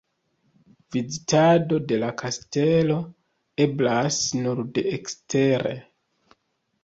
Vizitado de la kastelo eblas nur de ekstere.